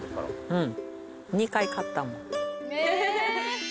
うん。